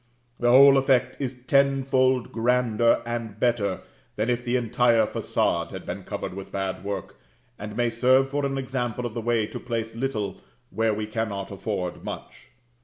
The whole effect is tenfold grander and better than if the entire façade had been covered with bad work, and may serve for an example of the way to place little where we cannot afford much.